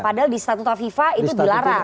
kalau viva itu dilarang